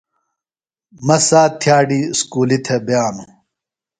مہ سات تھئاڈی اسکولیۡ تھےۡ بئانوۡ۔